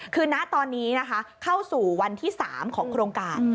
คือณตอนนี้นะคะเข้าสู่วันที่๓ของโครงการ